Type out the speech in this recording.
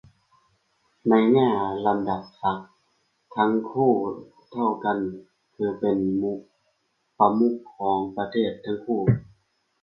ในแง่ลำดับศักดิ์ ทั้งคู่เท่ากัน คือเป็นประมุขของประเทศทั้งคู่